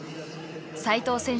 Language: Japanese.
齋藤選手